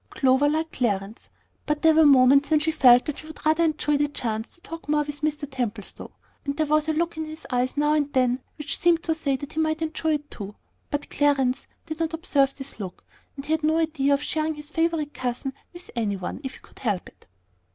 Clover liked Clarence; but there were moments when she felt that she would rather enjoy the chance to talk more with Mr. Templestowe, and there was a look in his eyes now and then which seemed to say that he might enjoy it too. But Clarence did not observe this look, and he had no idea of sharing his favorite cousin with any one, if he could help it.